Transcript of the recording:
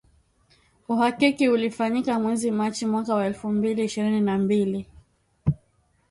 Uhakiki ulifanyika mwezi Machi mwaka wa elfu mbili ishirini na mbili.